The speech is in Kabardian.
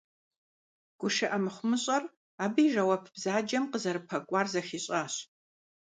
ГушыӀэ мыхъумыщӀэр, абы и жэуап бзаджэм къызэрыпэкӀуар зыхищӀащ.